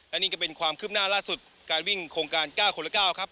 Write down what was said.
และนี่ก็เป็นความคืบหน้าล่าสุดการวิ่งโครงการ๙คนละ๙ครับ